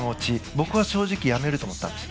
僕は正直やめると思ったんです。